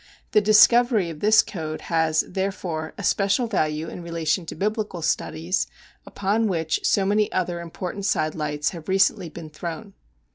The discovery of this code has, therefore, a special value in relation to biblical studies, upon which so many other important side lights have recently been thrown.